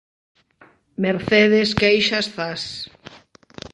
Mercedes Queixas Zas.